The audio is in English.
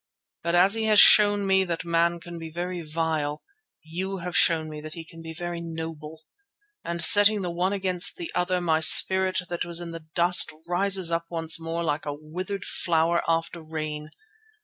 But as he has shown me that man can be very vile, you have shown me that he can be very noble; and, setting the one against the other, my spirit that was in the dust rises up once more like a withered flower after rain.